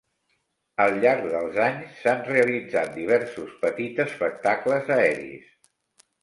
Al llarg dels anys s'han realitzat diversos petits espectacles aeris.